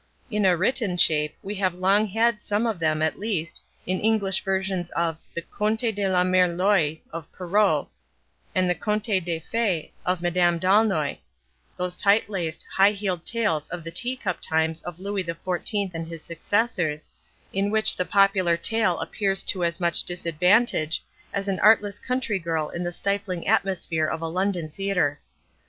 In a written shape, we have long had some of them, at least, in English versions of the Contes de ma Mère l' Oye of Perrault, and the Contes de Fées of Madame D'Aulnoy; those tight laced, high heeled tales of the "teacup times" of Louis XIV and his successors, in which the popular tale appears to as much disadvantage as an artless country girl in the stifling atmosphere of a London theatre.